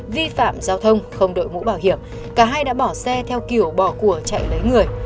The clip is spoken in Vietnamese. vi phạm giao thông không đội mũ bảo hiểm cả hai đã bỏ xe theo kiểu bỏ của chạy lấy người